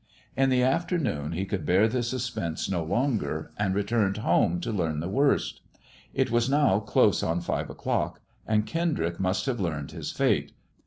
In the afternoon he could bear the suspense no longer, and retiu'ned home to learn the worst. It was now close on five o'clock, and Kendrick must have learned his fate.